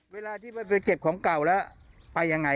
เวลาที่ไปเก็บของเก่าแล้วไปยังไง